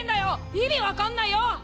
意味わかんないよ！